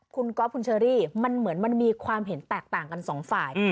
คุณก๊อฟคุณเชอรี่มันเหมือนมันมีความเห็นแตกต่างกันสองฝ่าย